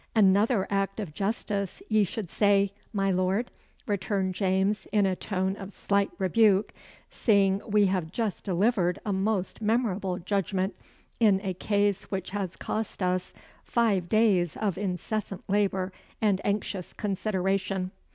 "Anither act of justice, ye should say, my Lord," returned James in a tone of slight rebuke; "seeing we hae just delivered a maist memorable judgment in a case which has cost us five days of incessant labour and anxious consideration.